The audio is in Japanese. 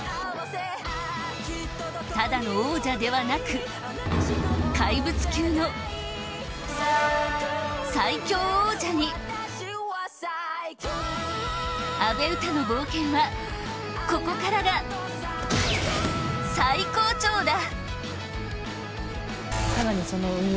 ただの王者ではなく怪物級の最強王者に阿部詩の冒険はここからが最高潮だ。